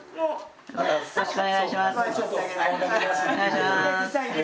よろしくお願いします。